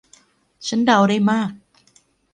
ฉันเดาได้มาก